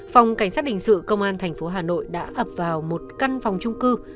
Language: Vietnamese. phòng cảnh sát đình sự công an thành phố hà nội đã ập vào một căn phòng trung cư